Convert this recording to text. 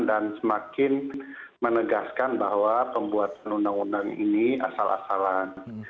dan semakin menegaskan bahwa pembuatan undang undang ini asal asalan